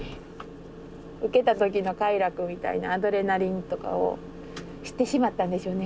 ウケた時の快楽みたいなアドレナリンとかを知ってしまったんでしょうね